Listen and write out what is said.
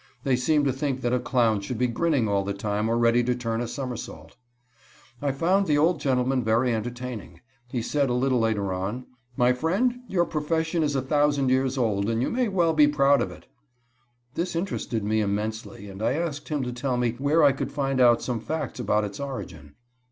They seem to think that a clown should be grinning all the time or ready to turn a somersault. I found the old gentleman very entertaining. He said a little later on: "My friend, your profession is a thousand years old, and you may well be proud of it." This interested me immensely, and I asked him to tell me where I could find out some facts about its origin.